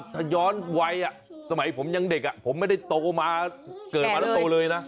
ถ้าย้อนวัยสมัยผมยังเด็กผมไม่ได้โตมาเกิดมาแล้วโตเลยนะ